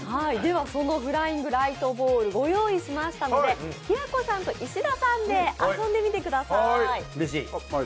そのフライングライトボール、ご用意しましたので平子さんと石田さんで遊んでみてください。